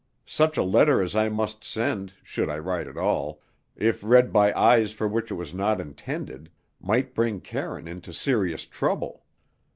Such a letter as I must send, should I write at all, if read by eyes for which it was not intended, might bring Karine into serious trouble.